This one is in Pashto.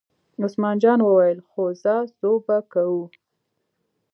عثمان جان وویل: خو ځه څو به کوو.